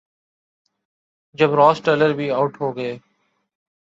جب Ross Taylor بھی out ہو گئے۔